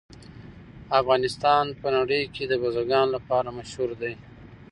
افغانستان په نړۍ کې د بزګانو لپاره مشهور دی.